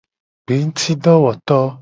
Gbengutidowoto.